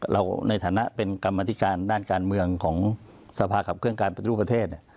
ในฐานะเป็นกรรมธิการด้านการเมืองของสภาขับเครื่องการปฏิรูปประเทศ